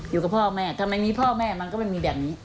อยู่กับพ่อแม่ทำไมมีพ่อแม่มันก็ไม่มีแบบนี้